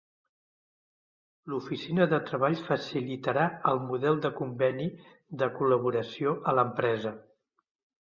L'Oficina de Treball facilitarà el model de conveni de col·laboració a l'empresa.